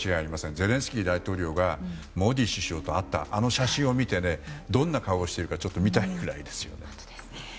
ゼレンスキー大統領がモディ首相と会ったあの写真を見てどんな顔をしているか見たいぐらいですよ。